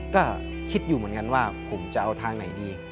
ก็คิดอยู่เหมือนกันว่าผมจะเอาทางไหนดี